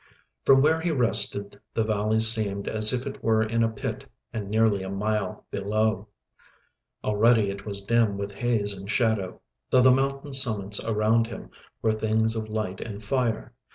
From where he rested the valley seemed as if it were in a pit and nearly a mile below. Already it was dim with haze and shadow, though the mountain summits around him were things of light and fire.